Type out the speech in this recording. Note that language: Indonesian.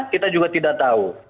kita juga tidak tahu